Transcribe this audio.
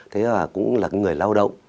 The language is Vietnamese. thế là cũng là người lao động